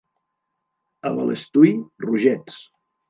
A Balestui, rogets.